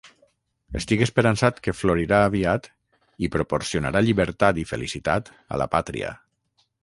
Estic esperançat que florirà aviat i proporcionarà llibertat i felicitat a la pàtria.